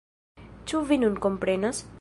Ĉu vi nun komprenas?